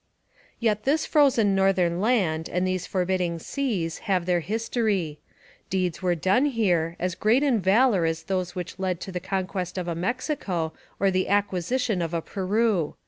Yet this frozen northern land and these forbidding seas have their history. Deeds were here done as great in valour as those which led to the conquest of a Mexico or the acquisition of a Peru.